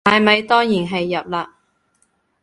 買米當然係入喇